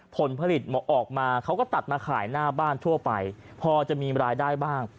ผลผลิตออกมาเขาก็ตัดมาขายหน้าบ้านทั่วไปพอจะมีรายได้บ้าง